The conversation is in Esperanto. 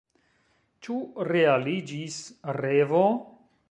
Ĉu realiĝis revo?